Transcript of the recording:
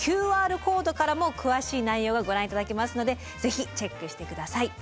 ＱＲコードからも詳しい内容がご覧頂けますのでぜひチェックして下さい。